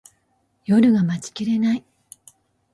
夜が待ちきれない